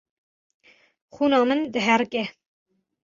Xwîna min diherike.